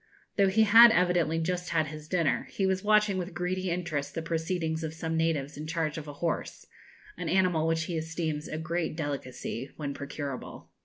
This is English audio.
Though he had evidently just had his dinner, he was watching with greedy interest the proceedings of some natives in charge of a horse an animal which he esteems a great delicacy, when procurable.